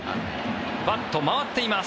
バット、回っています。